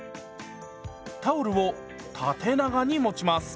タオルを縦長に持ちます。